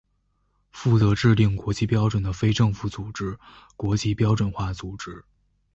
负责制定国际标准的非政府组织国际标准化组织。